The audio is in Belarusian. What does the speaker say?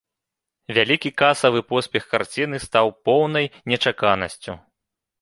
Вялікі касавы поспех карціны стаў поўнай нечаканасцю.